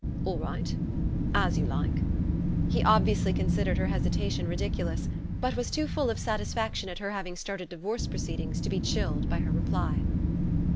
"All right; as you like." He obviously considered her hesitation ridiculous, but was too full of satisfaction at her having started divorce proceedings to be chilled by her reply.